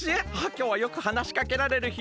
きょうはよくはなしかけられるひね。